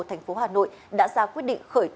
thành phố hà nội đã ra quyết định khởi tố vụ